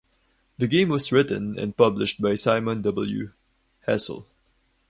The game was written and published by Simon W Hessel.